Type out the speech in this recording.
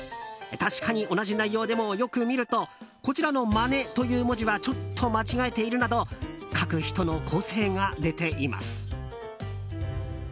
確かに同じ内容でも、よく見るとこちらの「真似」という文字はちょっと間違えているなど書く人の個性が出ています。